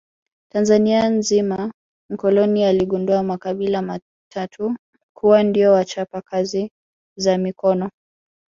Tanzania nzima mkoloni aligundua makabila maatatu kuwa ndio wachapa kazi za mikono